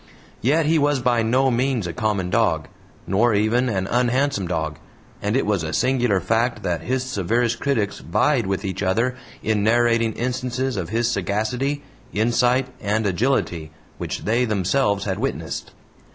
Yet he was by no means a common dog, nor even an unhandsome dog; and it was a singular fact that his severest critics vied with each other in narrating instances of his sagacity, insight, and agility which they themselves had witnessed.